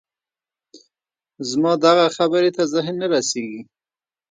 زما دغه خبرې ته ذهن نه رسېږي